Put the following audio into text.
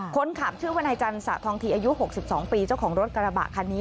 คนขับชื่อวนายจันสะทองทีอายุ๖๒ปีเจ้าของรถกระบะคันนี้